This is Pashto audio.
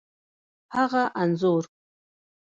هغه انځور،